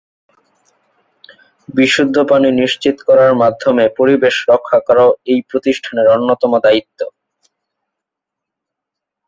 বিশুদ্ধ পানি নিশ্চিত করার মাধ্যমে পরিবেশ রক্ষা করাও এই প্রতিষ্ঠানের অন্যতম দায়িত্ব।